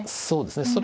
そうですね